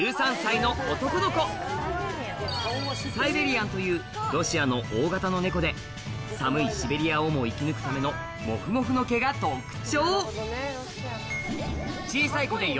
サイベリアンというロシアの大型の猫で寒いシベリアをも生き抜くためのモフモフの毛が特徴！